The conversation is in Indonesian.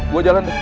gua jalan deh